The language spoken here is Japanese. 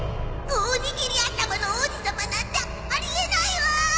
おにぎり頭の王子様なんてありえないわー！